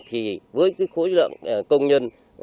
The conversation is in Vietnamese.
thì với khối lượng công nhân